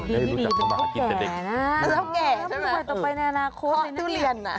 ได้รู้จักคุณมากับเด็กนะครับพ่อทุเรียนนะครับหอบทุเรียน